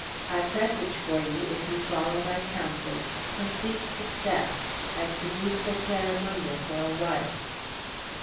I presage for you, if you follow my counsels, complete success; and the beautiful Clarimunda for a wife."